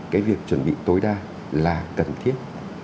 cái việc chuẩn bị tối đa là cần thiết